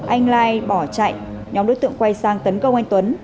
anh lai bỏ chạy nhóm đối tượng quay sang tấn công anh tuấn